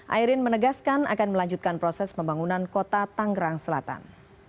airin menegaskan akan melanjutkan proses pembangunan kota tanggerang selatan